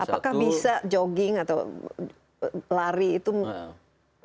apakah bisa jogging atau lari itu